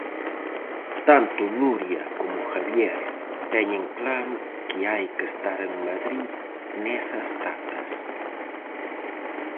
Tanto Nuria como Javier teñen claro que hai que estar en Madrid nesas datas.